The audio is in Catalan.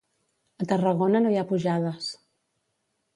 A Tarragona no hi ha pujades.